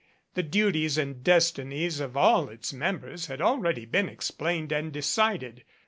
The duties and destinies of all its members had already been explained and decided.